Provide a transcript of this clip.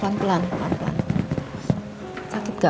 ntar jadi pasting aja